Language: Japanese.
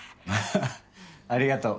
ありがとう。